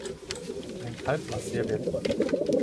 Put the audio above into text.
Ein Kalb war sehr wertvoll.